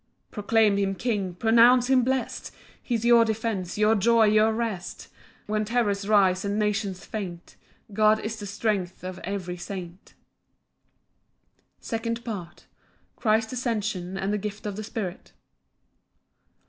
8 Proclaim him King, pronounce him blest! He's your defence, your joy, your rest: When terrors rise and nations faint, God is the strength of every saint. Psalm 68:2. 17 18. Second Part. Christ's ascension, and the gift of the Spirit.